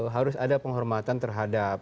harus ada penghormatan terhadap